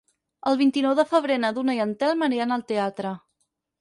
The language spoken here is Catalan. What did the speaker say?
El vint-i-nou de febrer na Duna i en Telm aniran al teatre.